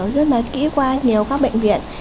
tôi đã tìm hiểu rất là kỹ qua nhiều các bệnh viện